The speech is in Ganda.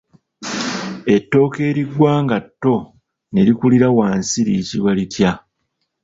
Ettooke erigwa nga tto ne likulira wansi liyitibwa litya?